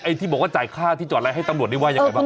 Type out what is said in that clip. ที่บอกว่าจ่ายค่าที่จอดอะไรให้ตำรวจนี่ว่ายังไงบ้าง